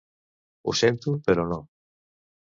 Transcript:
Ho sento, però no.